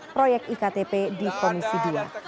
proyek iktp di komisi dua